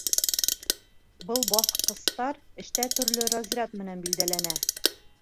Был баҫҡыстар эштә төрлө разряд менән билдәләнә.